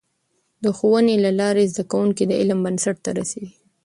د ښوونې له لارې، زده کوونکي د علم بنسټ ته رسېږي.